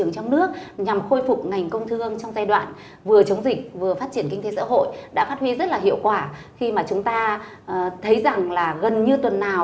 thì xã hội đã phát huy rất là hiệu quả khi mà chúng ta thấy rằng là gần như tuần nào